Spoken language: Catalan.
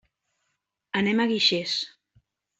Anem a Guixers.